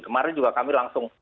kemarin juga kami langsung